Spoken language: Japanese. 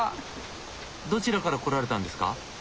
どちらから来られたんですか？